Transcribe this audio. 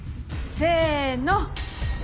せの！